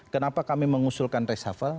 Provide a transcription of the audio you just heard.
kenapa kami mengusulkan reshafal